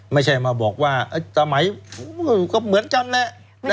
ไม่ใช่มาบอกว่าสมัยก็เหมือนกันแหละ